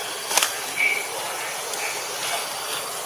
運作還不太了解